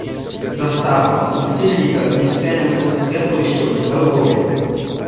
Zastával funkci ředitele městské nemocenské pojišťovny ve Lvově.